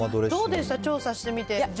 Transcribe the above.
どうでした、調査してみて。